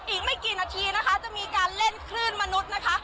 อีกไม่กี่นาทีนะคะจะมีการเล่นคลื่นมนุษย์นะคะ